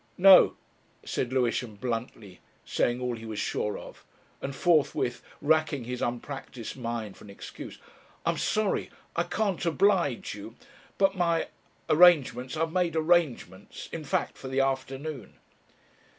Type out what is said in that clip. "No," said Lewisham bluntly, saying all he was sure of, and forthwith racking his unpractised mind for an excuse. "I'm sorry I can't oblige you, but ... my arrangements ... I've made arrangements, in fact, for the afternoon."